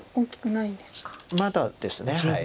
まだです。